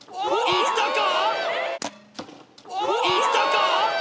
いったか？